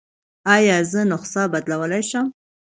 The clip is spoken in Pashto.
ایا زه نسخه بدلولی شم؟